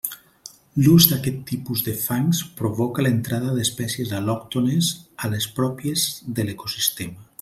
L'ús d'aquest tipus de fangs provoca l'entrada d'espècies al·lòctones a les pròpies de l'ecosistema.